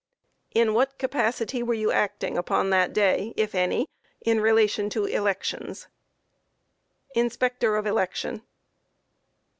Q. In what capacity were you acting upon that day, if any, in relation to elections? A. Inspector of election.